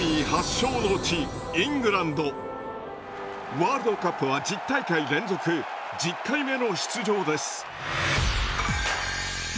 ワールドカップは１０大会連続１０回目の出場です。